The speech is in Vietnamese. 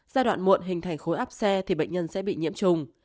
giai đoạn muộn hình thành khối áp xe thì bệnh nhân sẽ bị nhiễm trùng